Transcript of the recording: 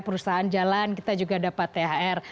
perusahaan jalan kita juga dapat thr